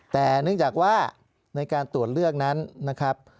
แต่เนื่องจากว่าในการตรวจเลือกนั้นนะครับ